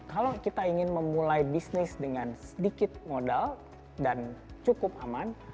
kalau kita ingin memulai bisnis dengan sedikit modal dan cukup aman